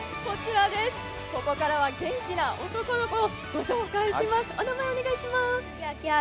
ここからは元気な男の子ご紹介します。